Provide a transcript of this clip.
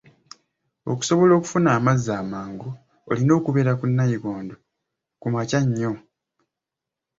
Okusobola okufuna amazzi amangu olina kubeera ku nayikondo ku makya nnyo.